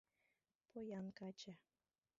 — Поян каче!